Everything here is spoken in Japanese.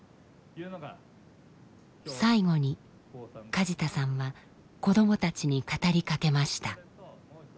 最後に梶田さんは子どもたちに語りかけました。